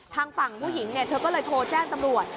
ทางฝั่งผู้หญิงเธอก็เลยโทรแจ้งตำรวจ